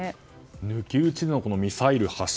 抜き打ちでのミサイル発射。